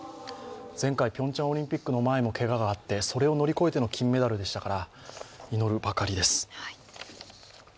前回、ピョンチャンオリンピックの際にもけががあって、それを乗り越えての金メダルでしたから、祈るばかりです。